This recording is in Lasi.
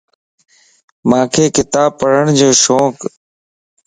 مانک ڪتاب پڙھڻ جو شونڪ